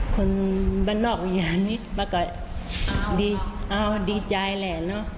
คนบ้านออกอย่างนี้บ้างก็ดีใจแหละเนอะ